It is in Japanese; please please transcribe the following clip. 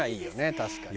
確かに。